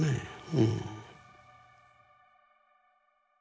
うん。